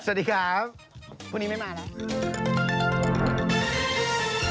สวัสดีครับ